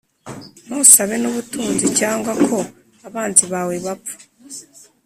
ntusabe n’ubutunzi cyangwa ko abanzi bawe bapfa